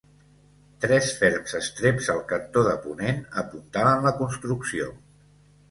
Tres ferms estreps al cantó de ponent apuntalen la construcció.